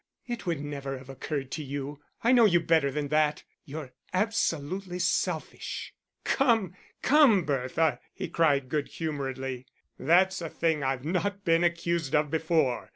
"It would never have occurred to you, I know you better than that. You're absolutely selfish." "Come, come, Bertha," he cried good humouredly, "that's a thing I've not been accused of before.